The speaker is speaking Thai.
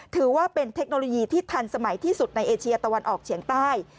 ถือว่าเป็นเทคโนโลยีที่ทันสมัยที่สุดในเอเชียตะวันออกเฉียงใต้